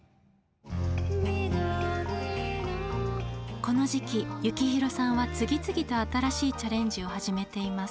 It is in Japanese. この時期幸宏さんは次々と新しいチャレンジを始めています。